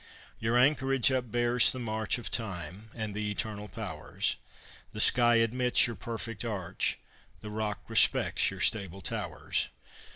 Your anchorage upbears the march Of time and the eternal powers. The sky admits your perfect arch, The rock respects your stable towers.